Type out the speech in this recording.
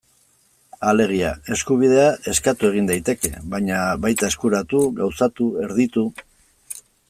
Alegia, eskubidea eskatu egin daiteke, baina baita eskuratu, gauzatu, erditu...